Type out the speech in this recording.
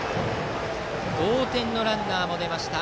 同点のランナーも出ました